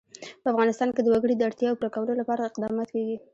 په افغانستان کې د وګړي د اړتیاوو پوره کولو لپاره اقدامات کېږي.